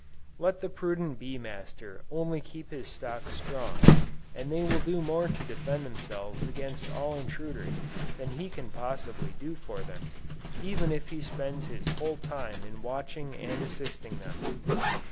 Let the prudent bee master only keep his stocks strong, and they will do more to defend themselves against all intruders, than he can possibly do for them, even if he spends his whole time in watching and assisting them.